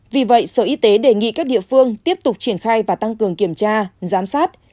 vì vậy sở y tế đề nghị các địa phương tiếp tục triển khai và tăng cường kiểm tra giám sát